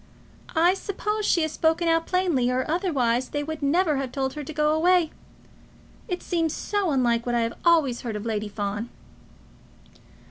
"I suppose she has spoken out plainly, or otherwise they would never have told her to go away. It seems so unlike what I have always heard of Lady Fawn."